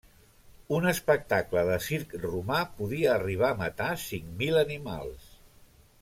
Un espectacle de circ romà podia arribar a matar cinc mil animals.